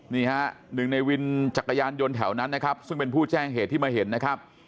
นี่ฮะหนึ่งในวินจักรยานยนต์แถวนั้นนะครับซึ่งเป็นผู้แจ้งเหตุที่มาเห็นนะครับ